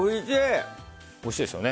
おいしいですよね。